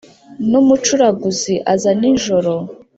N'umucuraguzi aza nijoro